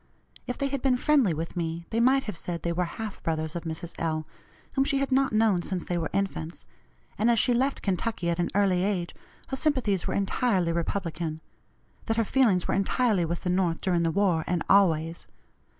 If they had been friendly with me they might have said they were half brothers of Mrs. L., whom she had not known since they were infants; and as she left Kentucky at an early age her sympathies were entirely Republican that her feelings were entirely with the North during the war, and always.